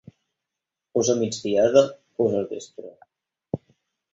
Fos a migdiada, fos al vespre